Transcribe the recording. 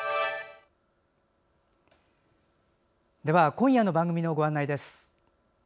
今夜の番組のご案内です。